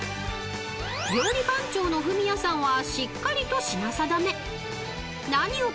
［料理番長のフミヤさんはしっかりと品定め］